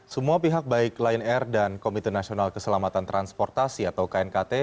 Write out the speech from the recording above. semua pihak baik lion air dan komite nasional keselamatan transportasi atau knkt